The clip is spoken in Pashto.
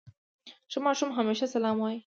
ښه ماشوم همېشه سلام وايي.